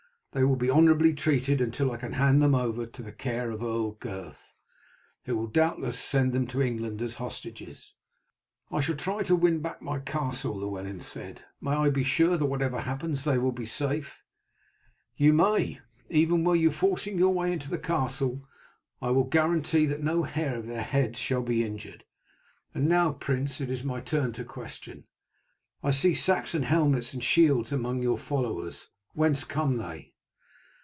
They will be honourably treated until I can hand them over to the care of Earl Gurth, who will doubtless send them to England as hostages." "I shall try to win back my castle," Llewellyn said. "May I be sure that whatever happens they will be safe?" "You may. Even were you forcing your way into the castle I will guarantee that no hair of their heads shall be injured. And now, prince, it is my turn to question. I see Saxon helmets and shields among your followers. Whence come they?"